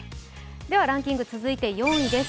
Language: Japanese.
ではランキング続いて４位です。